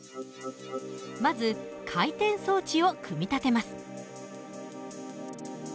まず回転装置を組み立てます。